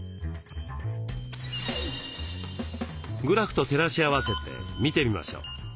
グラフと照らし合わせて見てみましょう。